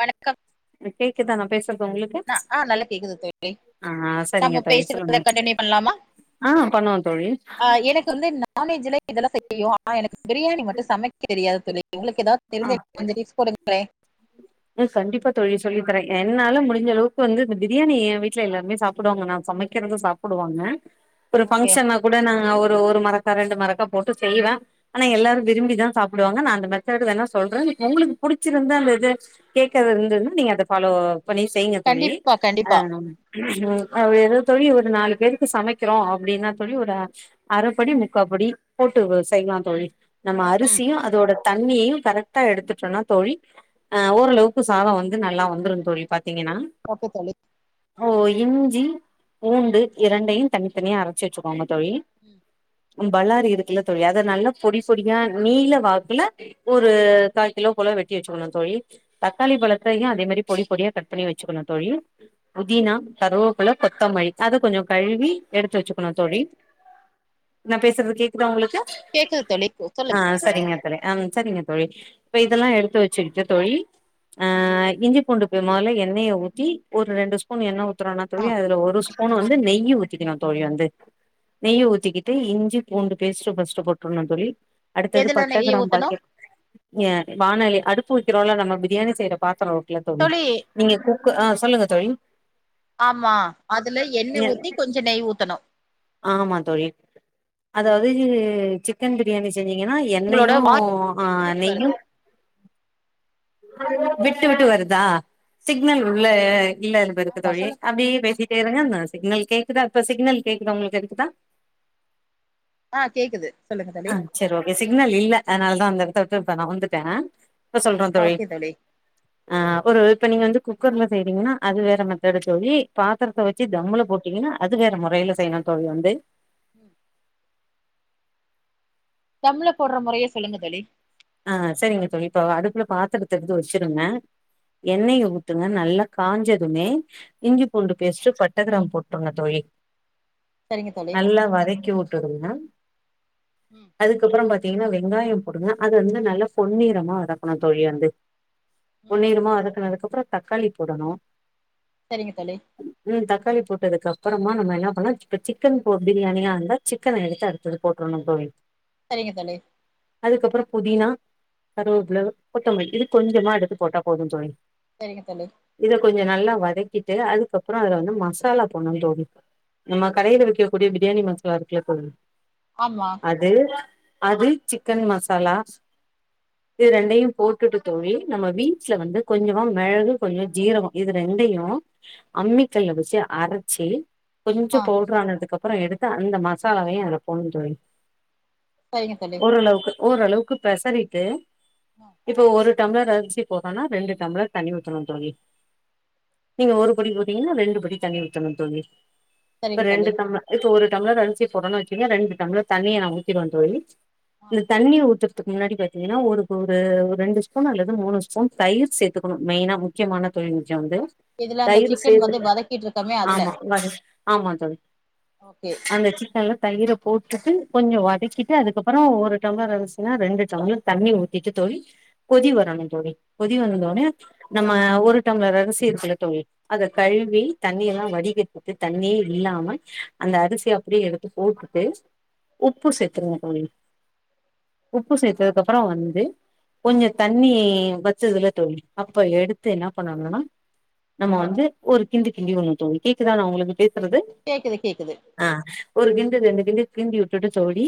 வணக்கம் கேக்குதா நா பேசுறது உங்களுக்கு நா ஆ நல்லா கேக்குது தோழி ஆ ஆ சரிங்க நம்ம தோழி பேசுறத சொல்லுங்க கண்டினியூ பண்லாமா ஆ பண்ணுவே தோழி ஆ எனக்கு வந்து நான்வெஜ்ல இதெல்லா செய்ய தெரியு எனக்கு பிரியாணி மட்டு சமைக்க தெரியாது தோழி எங்களுக்கு எதா ஆ தெரிஞ்சா கொஞ்சோ டிப்ஸ் கொடுங்களே இதோ கண்டிப்பா தோழி சொல்லி தரே என்னால முடிஞ்ச அளவுக்கு வந்து இந்த பிரியாணி ஏ வீட்ல எல்லாருமே சாப்பிடுவாங்க நா சமைக்கிறத சாப் டுவாங்க ஒரு ஓகே பங்க்ஷன்னா கூட நாங்க ஒரு ஒரு மரக்கா ரெண்டு மரக்கா போட்டு செய்வே ஆனா எல்லாரு விரும்பிதா சாப்டுவாங்கா நா அந்த மெத்தேடு வேணா சொல்றே உங்களுக்கு புடிச்சிருந்தா அந்த இது கேக்க எது இருந்துன்னா நீங்க அத ஃபாலோ பண்ணி செய்யுங்க தோழி கண்டிப்பா அ கண்டிப்பா உ எதோ தோழி ஒரு நாலு பேருக்கு சமைக்கிறோ அப்படின்னா தோழி ஒரு ஆச் அரப்படி முக்கா படி போட்டு செய்யலா தோழி நம்ம ம் அரிசியு அதோட தண்ணியயு கரெக்டா எடுத்துட்டோன்னா தோழி அ ஓரளவுக்கு சாத வந்து நல்லா வந்துருங் தோழி பாத்தீங்கன்னா அப்ப தோழி ஓ இஞ்சி பூண்டு இரண்டையு தனி தனியா அரச்சு வச்சுக்கோங்க தோழி ம் ம் பலாரி இருக்குல்ல தோழி அத நல்லா பொடி பொடியா நீல வாக்குல ஒரு காக்கிலோ போல வெட்டி வெச்சுக்கணு தோழி தக்காளி பழத்தையு அதே மாரி பொடி பொடியா கட் பண்ணி வச்சுக்கணு தோழி புதினா கருவோபுள கொத்தமழி அத கொஞ்சோ கழுவி எடுத்து வச்சுக்கணு தோழி நா பேசற்து கேக்குதா உங்ளுக்கு கேக்குது தோழி கு- ஆ சொல்லுங்க சரிங்க தளே அம் சரிங்க தோழி இப்ப இதல்லா எடுத்து வச்சிக்கிட்டு தோழி அ இஞ்சி பூண்டு பெ மொதல்ல எண்ணய ஊத்தி ஒரு ரெண்டு ஸ்பூன் எண்ண ஊ துனோனா தோழி ஆ அதுல ஒருஸ் பூன் வந்து நெய்யி ஊத் திக்கினு தோழி வந்து நெய்யி ஊத்திக்கிட்டு இஞ்சி பூண்டு பேஸ்டு ஃபஸ்ட்டு போட்ற்ணு தோழி அடுத்தது எதுல பட்ட நெய் கிராம் ஊத்தணு பாக்கெ ஏ வானலி அடுப்பு வக்கிறோல்ல நம்ம பிரியாணி செய்ற பாத்தரோ ஒக்குல தோழி நீங்க குக்கு ஆ சொல்லுங்க தோழி ஆமா அதுல எண்ண நீ ஊத்தி கொஞ்ச நெய் ஊத்தணு ஆமா தோழி அதாவுது சிக்கன் பிரியாணி செஞ்சீங்கன்னா எண் உங்களோட ண்ணயு வாய் அ விட்டு விட்டு நெய்யு வருது விட்டு விட்டு வருதா சிக்னல் உள்ள இல்லல் பெருக்கு ஆமா தோழி சொல்லுங்க அப்டி பேசிட்டே இருங்க நா சிக்னல் கேக்குதா இப்ப சிக்னல் கேக்க்குதா உங்ளுக் எடுக்குதா அ கேக்குது சொல்லுங்க தோழி செரி ஓகே சிக்னல் இல்ல அதனால்தா அந்த எடத்த உட்டு இப்ப நவுந்துட்ட அ இப்ப சொல்றோ தோழி அ ஒரு இப்ப நீங்க வந்து குக்கர்ல செய்றீங்னா அது வேற மெத்தேடு தோழி பாத்தரத்த வச்சு தம்முள போட்டீங்கனா அது வேற மொறைல செய்ணு தோழி வந்து ம், தம்ல போட்ற முறய சொல்லுங்க தோழி அ சரிங்க தோழி இப்ப அடுப்ல பாத்தரத்த எடுத்து வச்சுருங்க ம் எண்ணய ஊத்துங்க நல்லா காஞ்சதுமே இஞ்சி ம், பூண்டு பேஸ்ட்டு பட்ட கிராம் போட்டுங்க தோழி சரிங்க தோழி நல்லா வதக்கி உ டுருங்க ம் அதுக்கப்புற பாத்தீங்கன்னா வெங்காயோ போடுங்க அது வந்து நல்லா பொன்னிரமா வதக்கணு தோழி வந்து ம் பொன்னிரமா வதக்குனதுக்கு அப்புற தக்காளி போடணு சரிங்க தோழி ம் தக்காளி போட்டதுக்கு அப்பறமா நம்ம என்ன பண்லா இப்ப சிக்கன் போட் பிரியாணியாந்தா சிக்கன எடுத்து அடுத்தது போட்ரணு தோழி சரிங்க தோழி அதுக்கப்புற புதினா கருவேப்புல கொத்தமல்லி இது கொஞ்சமா எடுத்து போட்டா போது தோழி செரிங்க தோழி இத கொஞ்ச நல்லா வதக்கிட்டு அதுக்கப்புறோ அதுல வந்து மசாலா போட்ணு தோழி நம்ம கடைல விக்கக் கூடிய பிரியாணி மசாலா இருக்குல்ல தோழி ஆமா அது அது சிக்கன் மசாலா இது ரெண்டையு போட்டுட்டு தோழி நம்ம வீட்ல வந்து கொஞ்சமா மெழகு கொஞ்சொ ஜீரகோ இது ரெண்டையு அம்மிக்கல்ல வெச்சு அரச்சு கொஞ்ச ஆ பவுடரானதுக்கு அப்புறோ எடுத்து அந்த மசாலாவையு அதுல போட்னோ தோழி சரிங்க தோழி ஓரளவுக்கு ஓரளவுக்கு பெசறிட்டு ஆ இப்ப ஒரு டம்ளர் அரிசி போட்டோனா ரெண்டு டம்ளர் தண்ணி ஊத்தனோ தோழி நீங்க ஒரு படி போட்டீங்கன்னா ரெண்டு படி தண்ணி ஊத்தணு தோழி இப்ப சரிங்க தோழி ரெண்டு டம்ளர் இப்ப ஒரு டம்ளர் அரிசி போட்ரோன்னு வச்சுக்கங்க ரெண்டு டம்ளர் தண்ணிய நா ஊத்திடுவே தோழி ஆ இ தண்ணி ஊத்துற் துக்கு முன்னாடி பாத்தீங்கன்னா ஒரு ஒரு ஒரு ரெண்டு ஸ்பூன் அல்லது மூணு ஸ்பூன் தயிர் சேத்துக்கணு மெயினா மு க்கியமான தொழில் நிஜோ வந்து இதுல அந்த தயிரு சிக்கன் வந்து சேத்துட்டு வதக்கிட்ருக்கமே அதுல ஆமா வதக் ஆமா தோழி ஓகே அந்த சிக்கன்ல தயிர போட்டுட்டு கொஞ்சொ வதக்கிட்டு அதுக்கப்பறோ ஒரு டம்ளர் அரிச் னா ரெண்டு டம்ளர் தண்ணி ஊத்திட்டு தோழி கொதி வரணு தோழி கொதி வந்தோனே நம்ம ஒரு டம்ளர் அரசி இருக்குல்ல தோழி அத கழுவி தண்ணி எல்லா வடிகட்டிட்டு தண்ணியே இல்லாம அந்த அரிசிய அப்டியே எடுத்து ஊத்திட்டு உப்பு சேத்துருங்க தோழி உப்பு சேத்ததுக்கு அப்பறோ வந்து கொஞ்ச தண்ணி வச்சதுல தோழி அப்ப எடுத்து என்னா பண்ணணுனா நம்ம வந்து ஒரு கிண்டு கிண்டி உட்னு தோழி கேக்குதா நா உங்களுக்கு பேசுறது கேக்குது கேக்குது ஆ ஒரு கிண்டு ரெண்டு கிண்டு கிண்டி விட்டுட்டு தோழி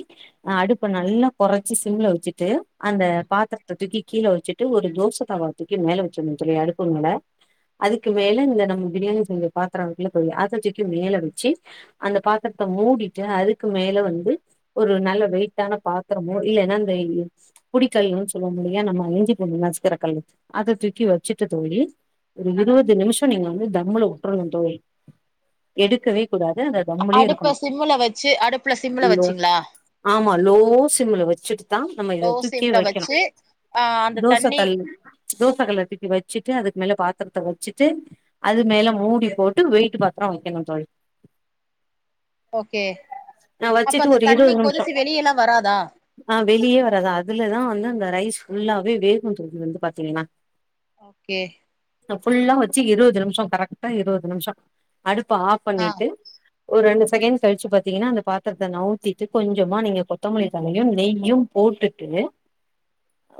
ம் அடுப்ப நல்லா கொறச்சு சிம்ல வெச்சிட்டு அந்த ம் பாத்திர த்த தூக்கி கீழே வெச்சுட்டு ஒரு தோச தவாவ தூக்கி மேல வெச்சிரனோ தோழி அடுப்பு மேல அதுக்கு மேல இந்த நம்ம பிரியாணி செஞ்ச பாத்தரோ இருக்குல்ல தோழி அத தூக்கி மேல வெச்சு அந்த பாத்திரத்த மூடிட்டு அதுக்கு மேல வந்து ஒரு நல்ல வெயிட்டான பாத் தரமோ இல்லனா இந்த புடிக்கல்லுன்னு சொல்லூவோமில்லையா நம்ம இஞ்சி பூண்டு நசுக்குற கல்லு அத தூக்கி வெச்சுட்டு தோழி ஒரு இருவது நிமிஷொ நீங்க வந்து தம்ள உட்ரணு தோழி எடுக்கவே கூடாது அத அடுப்ப சிம்முல வெச்சு அடுப்புல சிம்முல லோ வெச்சிங்களா ஆமா லோ சிம்ல வெச்சிட்டு தா நம்ம இத லோ தூக்கி சிம்ல வைக்கணு வச்சு ஆ அந்த தோச தண்ணி கல்லு தோச கல்ல தூக்கி வெச்சுட்டு அதுக்கு மேல பாத்தரத்த வெச்சிட்டு அது ம் மேல மூடி போட்டு வெயிட்டு பாத் ரோ வைக்கனோ தோழி ஓகே நா அப்ப வச்சுட்டு அந்த ஒரு தண்ணி இருவது நிமிஷோ கொதிச்சி வெளியலா வராதா ஆ வெளியே வராது அதுலதா வந்து அந்த ரைஸ் ஃபுல்லாவே வேகு தோழி வந்து பாத்தீங்கன்னா ஓகே ஃபுல்லா வெச்சி இருவது நிமிஷோ கரெக்ட்டா இருவது நிமிஷோ அடுப்ப ஆஃப் ஆ பண்ணிட்டு ஒரு ரெண்டு செகண்ட் கழிச்சு பாத்தீங்கன்னா அந்த பாத்தரத்த நவுத்திட்டு கொஞ்சமா நீங்க கொ த்தமல்லி தழையு நெய்யு போட்டுட்டு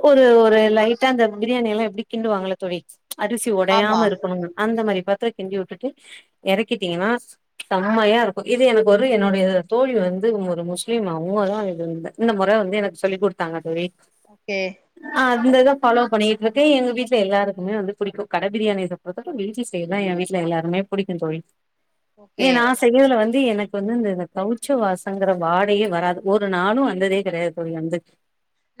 ஒரு ஒரு லைட்டா அந்த பிரியாணி எல்லா எப்டி கிண்டுவாங்கல்ல தோழி அரிசி ஆமா உடையாம இருக்கணுனு அந்த மாரி பாத்திர கிண்டி விட்டுட்டு எறக்கிட்டீங்கன்னா செம்மையா இருக்கோ இது எனக்கு ஒரு என்னுடைய தோழி வந்து ஒரு முஸ்லிம் அவுங்கதா இ து இந்த முற வந்து எனக்கு சொல்லி கொடுத்தாங்க தோழி கே ஆ அந்த இத ஃபாலோ பண்ணிட்டு இருக்கே எங்க வீட்ல எல்லாருக்குமே வந்து புடிக்கு கட பிரியாணி அ வீட்ல செய்ய தா எ வீட்ல எல்லாருமே புடிக்கு தோழி ஏ ஓகே நா செய்யதுல வந்து எனக்கு வந்து இந்தந்த கவுச்ச வாசங்கறது வாடையே வராது ஒரு ஒரு நாளு வந்ததே கெடையாது தோழி வந்து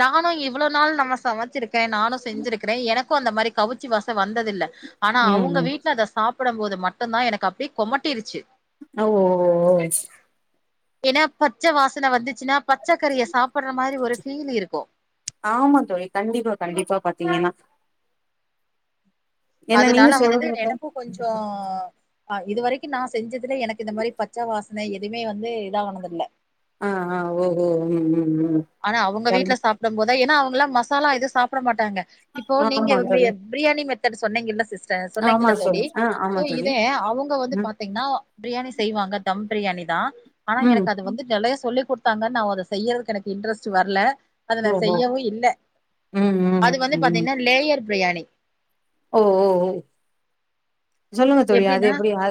நானு இவ்ளோ நாள் நம்ம சமைச்சிருக்கே நானு செஞ்சிருக்கிறே எனக்கு அந்த மாரி கவிச்சி வாச வந்ததில்ல ஆனா அவுங்க ம் வீட்ல அத சாப்படும் போது மட்டுந்தா எனக்கு அப்டியே கொமட்டிருச்சு ஓ ஓ ஓச் ஏன்னா பச்ச வாசனை வந்துச்சுன்னா பச்சைக்கரிய சாப்புற மாரி ஒரு ஃபீல் இருக்கு ஆமா தோழி கண்டிப்பா கண்டிப்பா பாத்தீங்கன்னா ஏன்னா நீங்க அதனால வந்து சொல்றப்ப எனக்கு கொஞ்சோ ஆ இது வரைக்கு நா செஞ்சதுல எனக்கு இந்த மாரி பச்ச வாசன எதுவுமே வந்து இதா ஆனதுல்ல ஆ ஆ ஓகோ ம் ம் ம் ஆனா அவங்க கண் வீட்ல சாப்டும் போதா ஏன்னா அவங்கல்லா மசாலா எது சாப்ட மாட்டாங்க இப்போ நீங்க ஆமா தோழி பிரியாணி மெத்தட் சொன்னீங்கிள்ள சிஸ்டர் ஆமா சொன்னீங்கல்ல தோழி ஆ சோ ஆமா தோழி இதே அவங்க வந்து பா ம் பாத்தீங்கன்னா பிரியாணி செய்வாங்க தம் பிரியாணி தா ஆனா ம் எனக்கு அது வந்து நெறைய சொல்லி குடுத் பாத்தாங்க நா அத செய்றதுக்கு எனக்கு இன்ட்ரெஸ்ட் வரல அத நா ஓஹோ செய்யவு இல்ல ம் ம் அது வந்து ம் ம் பாத்தீங்கன்னா லேயர் பிரியாணி ஓ ஓ ஓ சொல்லுங்க தோழி அது எப்டின்னா எப்டி அ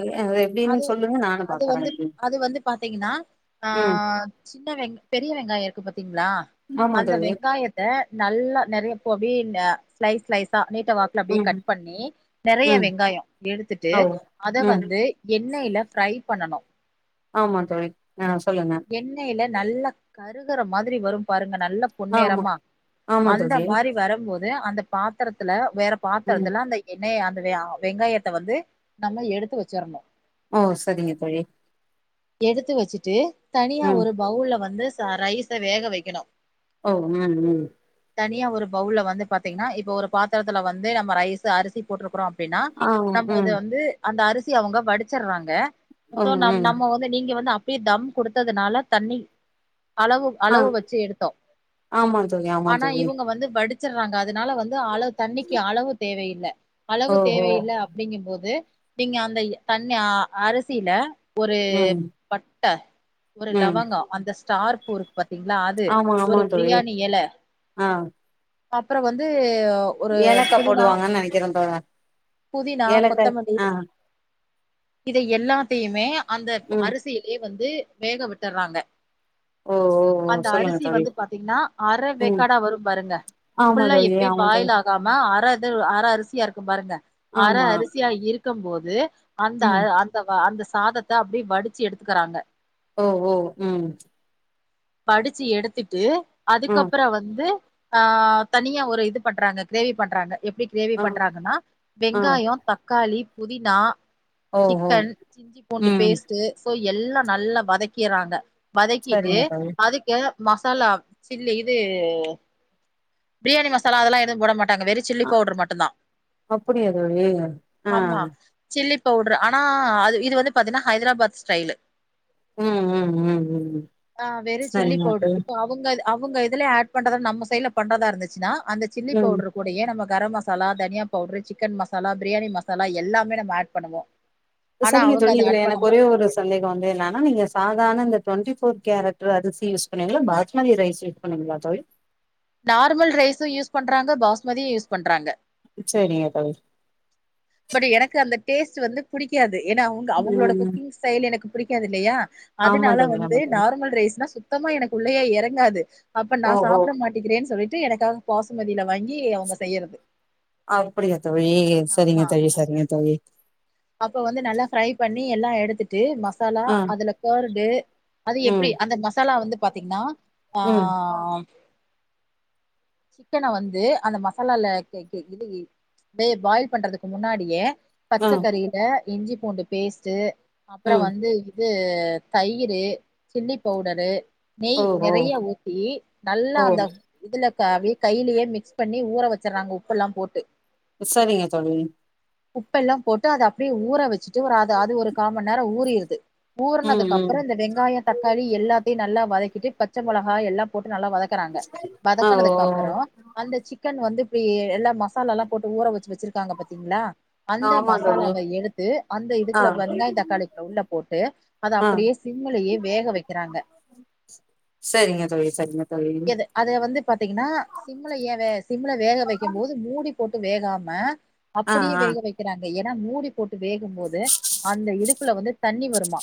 அது எப்டின்னு சொல்லுங்க நானு அது பாக்குறே வந்து எப்டி அது வந்து பாத்தீங்கன்னா ஆ சின்ன வெ பெரிய வெங்காயோ இருக்கு பாத்தீங்களா ஆமா அந்த தோழி வெங்காயத் ல நல்லா நெறைய ப்ப அப்டியே ஸ்லைஸ் ஸ்லைஸா நீட்ட வா அப்டியே ம் கட் பண்ணி நெறைய ம் வெங்காயோ எடுத்துட்டு ஓ அத ம் வந்து து எண்ணெய்ல ஃரை பண்ணணு ஆமா தோழி ஆ சொல்லுங்க எண்ணெய்ல நல்லா கருகுற மாரி வரு பாருங்க நல்லா ஆமா பொன்னேரமா ஆமா அந்த தோழி மாரி வரம்போது அந்த பாத்திரத்துல வேற ம் பாத்திரத்துல அந்த என்னே அந்த வ வெங்காயத்த வந்து நம்ம எடுத்து வச்சிறணு ஓ செரிங்க தோழி எடுத்து வச்சுட்டு தனியா ம் ஒரு பவுல்ல வந்து ச ரைச வேக வைக்கணு ஓ ம் ம் தனியா ஒரு பவுல்ல வந்து பாத்தீங்கன்னா இப்ப ஒரு பாத்திரத்துல வந்து நம்ம ரைஸ் அரிசி போட்டுருக்குறோ அப்டினா ஆ ம் நம்ம அது ம் வந்து அந்த அரிசி அவங்க வடிச்சிர்றாங்க சோ நம் ம் நம்ம வந்து நீங்க வந்து அப்டியே தம் குடுத்ததுனால தண்ணி அளவு ஆ அளவு வச்சு எடுத்தோ ஆமா தோழி ஆமா ஆனா தோழி இவங்க வந்து வடிச்சிர்றாங்க அதனால வந் து அளவு தண்ணிக்கு அளவு தேவையில்ல அளவு ஓஹோ தேவையில்ல அப்டிங்கும்போது நீங்க அந்த தன்னி அரிசியில ஒரு ம் பட்ட ஒரு ம் லவங்கொ அந்த ஸ்டார் பூ இருக்கு பாத்திங்களா அது ஆமா ஆமா ஒரு தோழி பிரியாணி எல ஆ அப்பறோ வந்து ஒரு ஏலக்கா புதினா போடுவாங்கன்னு நெனைக்கிறே தோழா புதினா ஏலக்காய் கொத்தமல்லி ஆ இத எல்லாத்தையுமே அந்த ம் அரிசியிலேயே வந்து வேக விட்டுறாங்க ஓ ஓ ஓ அந்த சொல்லுங்க அரிசி தோழி வந்து பாத்தீங்கன்னா அர ம் வேக்காடா வரும் பாருங்க ஆமா புல்லா தோழி எப்பயு ஆமா தோழி பாயில் ஆ காம அறது அற அரிசியா இருக்கு பாருங்க அர ஆமா அரிசியா இருக்கும்போது அந்த ம் அந்த அந்த சாதத்த அப்டி வடிச்சு எடுத்துக்குறாங்க ஓ ஓ ம் வடிச்சு எடுத்துட்டு ம் அதுக்கப்பறோ வந்து ஆ தனியா ஒரு இது பண்றாங்க க்ரேவி பண்றாங்க எப்டி க்ரேவி ஆ பண்றாங்கனா ஆ வெங்காயோ தக்காளி புதினா ஓ ஓ சிக்கன் சிஞ்சி பூண்டு ம் பேஸ் டு சோ எல்லா நல்லா வதக்கிறாங்க வதக்கிட்டு சரிங்க தோழி அதுக்கு மசாலா சில்லி இது பிரியாணி மசாலா அதெல்லா எதும் போட மாட்டாங்க வெறு சில்லி அ பவுடர் மட்டுதா அப்படியா தோழி ஆ ஆமா சில்லி பவுடரு ஆனா அது இது வந்து பாத்தீனா ஹைதராபாத் ஸ்டைலு ம் ம் ம் ம் ஆ வெறு சில்லி சரிங்க பவுடர் தோழி இப்ப அ வுங்கது அவுங்க இதுலே ஆட் பண்றத நம்ம சைடுல பண்றதா இருந்துச்சுனா அந்த சில்லி ம் பவுடரு கூடயே நம்ம கரம் மசாலா தனியா பவுட்ரு சிக்கன் மசாலா பிரியாணி மசாலா எல்லாமே நம்ம ஆட் பண்ணுவோ ஓ ஆனா செரிங்க அவங்க தோழி அத இதுல ஆட் எனக்கு பண்ண ஒரே ஒரு ஸ் சந்தேகோ வந்து என்னனா நீங்க சாதாரண இந்த டுவென்டி ஃபோர் கேரட்டு அரிசி யூஸ் பண்ணுவீங்களா பாஸ்மதி ரைஸ்சு பண்ணுவீங்களா தோழி நார்மல் ரைஸு யூஸ் பண்றாங்க பாஸ்மதியு யூஸ் பண்றாங்க செரிங்க தோழி பட் எனக்கு அந்த டேஸ்ட் வந்து புடிக்காது ஏனா அவுங்க அவுங்களோட ம் குக்கிங் ஸ்டைல் எனக்கு புடிக்காது இல்லையா ஆமா அதனால தோழி வந்து ஆமா தோழி நார்மல் ரைஸ்னா சுத்தமா எனக்கு உள்ளயே எறங்காது அப்ப நா ஓஹோ சாப்ட மாட் டிக்கிறேன்னு சொல்லிட்டு எனக்காக பாசுமதில வாங்கி அவுங்க செய்றது ஆமா பேசாதிங்க தோழி அப்ப வந்து நல்லா ஃப்ரை பண்ணி எல்லா எடுத்துட்டு மஸ் மசாலா ஆ அதுல கர்டு அதும் எப்டி ம் அந்த மசாலா வந்து பாத்தீங்கன்னா ஆ ம் ம் சிக்கன வந்து அந்த மசாலால கை கே இல்லையே அப்டியே பாயில் பண்றதுக்கு முன்னாடியே ஆ பச்சக்கறில இஞ்சி பூண்டு பேஸ்ட்டு அப்பறோ ம் வந்து இ து தயிரு சில்லி பவுடரு நெய் ஓஹோ நெறைய ஊத்தி நல்லா ஓ அந்த இதுல காவி கைலேயே மிக்ஸ் பண்ணி ஊற வச்சிருறாங்க உப்பெல்லா போட்டு செரிங்க தோழி உப்பெல்லா போட்டு அத அப்டியே ஊற வச்சுட்டு ஒரு அது அது ஒரு கா மண் நேரோ ஊறிருது ம் ஊறுனதுக்கு ம் அப்பறோ இந்த வெங்காய தக் காளி எல்லாத்தையு நல்லா வதக்கிட்டு பச்ச மொளகா எல்லா போட்டு நல்லா வதக்குறாங் கது த்துனதுக்கு அப்பறோ அந்த சிக்கன் வந்து பி எல்லா மசாலால்லா போட்டு ஊற வச்சு வச்சிருக்காங்க பாத்தீங்களா அந்த ஆமா தோழி மசாலாவ எடுத்து அந்த ஆ இதுக்குள்ள பா வெங்காய தக்காளி குள்ள உள்ள போட்டு அத ஆ அப்டியே சிம்முலயே வேக வக்கிறாங்க செரிங்க தோழி செரிங்க தோழி அதுல வந்து பாத்தீங்கன்னா சிம்ல ஏ வே சிம்ல வேக வக்கி போது மூடி போட்டு வேகாம ஆ அப்டியே ஆ வேக வக்கிறாங்க ஏனா மூடி போட்டு வேகு போது அந்த இதுக்குள்ள வந்து தண்ணி வருமா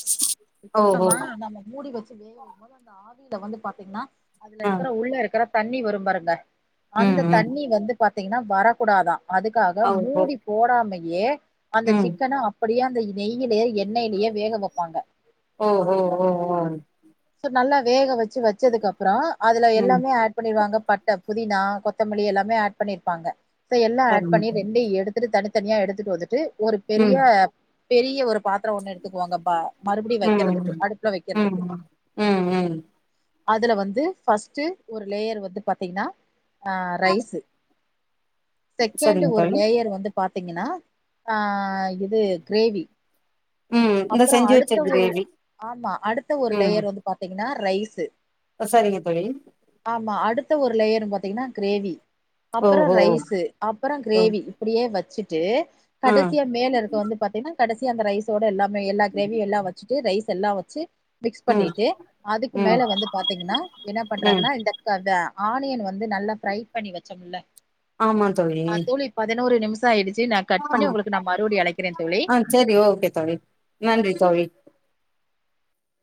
இப்போ ஓஹோ நம்ம நம்ம மூடி வச்சு வேக வக்க போது அந்த ஆவியில வந்து பாத்தீங்னா அதுல ஆ இருக்கற உள்ள இருக்கற தண்ணி வரு பாருங்க ம் அந்த ம் தண்ணி வந்து பாத்தீங்கன்னா வரக்கூடாதா அதுக்காக ஓஹோ மூடி போடாமயே அந்த ம் சிக்கன அப் அப்படியே அந்த நெய்யிலேயே எண்ணெய்லயே வேக வைப்பாங்க ஓஹோ ஓ ஓ சோ நல்லா வேக வச்சு வச்சதுக்கு அப்பறோ அதுல ம் எல்லாமே ஆட் பண்ணிருவாங்க பட்ட புதினா கொத்தமல்லி எல்லாமே ஆட் பண்ணிருப்பாங்க சோ எல்லாம் ஆட் சரிங்க பண்ணி தோழி வெந்து எடுத் த்துட்டு தனித்தனியா எடுத்துட்டு வந்துட்டு ஒரு பெரிய ம் பெரிய ஒரு பாத்தரம் ஒண்ணு எடுத்துக்குவாங்க பா மறுபடியு ம் வைக்கிறதுக்கு அடுப்புல ம் வைக்கிறதுக்கு ம் ம் ம் அதுல வந்து ஃபர்ஸ்ட்டு ஒரு லேயர் வந்து பாத்தீங்கன்னா அ ரைஸு [inaudible] செகண்ட் சரிங்க ஒரு தோழி லேயர் வந்து பாத்தீங்கன்னா ஆ இது கிரேவி ம் இந்த அப்பறோ செஞ்சு வச்ச அடுத்த ஒரு கிரேவி ஆமா அடுத்த ஒரு லேயர் வந்து பாத்தீங்கன்னா ரைஸு ஆ சரிங்க தோழி ஆமா அடுத்த ஒரு லேயர் பா த்திங்கன்னா கிரேவி ஓ அப்பறோ ஓ ரைஸு அப்பறோ ஓ கிரேவி இப்டியே வச்சுட்டு ஆ கடைசியா மேல இருக்கு வந்து பாத்தீங்கன்னா கடைசியா அந்த ரைஸோட எல்லாமே எல்லா கிரேவி எல்லா வச்சுட்டு ரைஸ் எல்லா வச்சு மிக்ஸ் ம் பண்ணிட்டு அதுக்கு ம் மேல வந்து பாத்தீங்கன்னா என்ன ம் பண்றாங்கன்னா இந்த இந்த அந்த ஆனியன் வந்து நல்லா ஃப்ரை பண்ணி வச்சோம்ல ஆமா தோழி பதினோரு நிமிஷோ ஆயிடுச்சி நா கட் பண்ணி உங்களுக்கு நா மறுபடி அழைக்கிறே தோழி சேரி ஓகே தோழி நன்றி தோழி